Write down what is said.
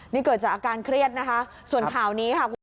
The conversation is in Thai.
นี่เกิดจากอาการเครียดนะคะส่วนข่าวนี้ค่ะคุณ